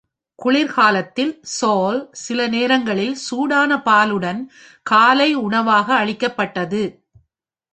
குளிர்காலத்தில் "சோல்" சில நேரங்களில் சூடான பாலுடன் காலை உணவாக அளிக்கப்பட்டது.